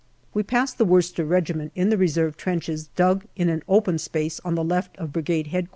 We pass the Worcester Regiment in the reserve trenches dug in an open space on the left of Brigade H.Q.